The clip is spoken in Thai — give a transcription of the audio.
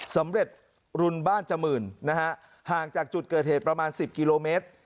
สำเร็จรุนบ้านจมื่นนะฮะห่างจากจุดเกิดเหตุประมาณ๑๐กิโลเมตร